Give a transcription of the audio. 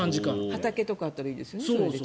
畑とかあったらいいですよね。